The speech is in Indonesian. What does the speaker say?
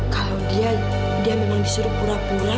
kalau dia memang disuruh pura pura